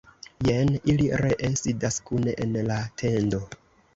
Jen ili ree sidas kune en la tendo!